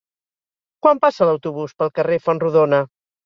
Quan passa l'autobús pel carrer Fontrodona?